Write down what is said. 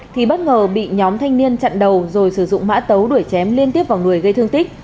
thì bất ngờ bị nhóm thanh niên chặn đầu rồi sử dụng mã tấu đuổi chém liên tiếp vào người gây thương tích